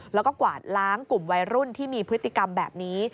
แล้วก็กวาดล้างกลุ่มวัยรุ่นที่มีพฤติกรรมแบบนี้